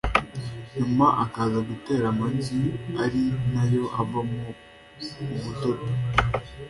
nyuma akaza gutera amagi ari na yo avamo ubudodo